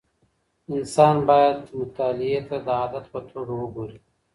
انسان باید مطالعې ته د عادت په توګه وګوري.